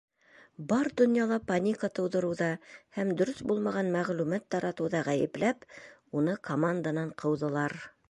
Бар донъяла паника тыуҙырыуҙа һәм дөрөҫ булмаған мәғлүмәт таратыуҙа ғәйепләп, уны команданан ҡыуҙылар.